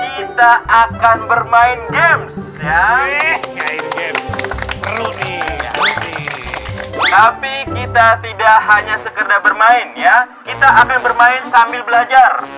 kita akan bermain sambil belajar